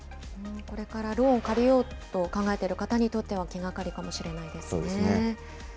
これからローン借りようと考えている方にとっては気がかりかそうですね。